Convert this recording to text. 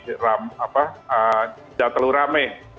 jangan terlalu rame